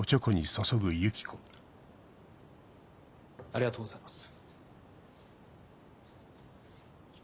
ありがとうございます。